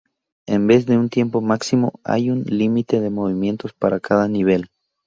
En vez de un tiempo máximo, hay un límite de movimientos para cada nivel.